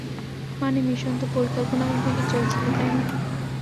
মানে, মিশন তো পরিকল্পনামাফিকই চলছিল, তাই না?